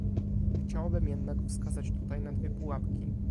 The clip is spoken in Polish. Chciałabym jednak wskazać tutaj na dwie pułapki